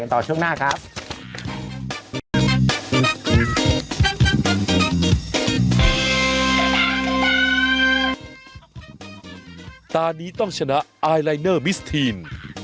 ตอนนี้ต้องชนะไอลายเนอร์มิสทีน